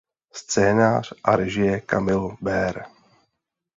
Scénář a režie Kamil Beer.